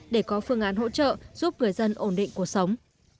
để có phương án hỗ trợ giúp người dân ổn định cuộc sống